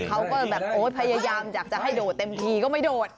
เขาก็แบบโอ๊ยพยายามอยากจะให้โดดเต็มทีก็ไม่โดด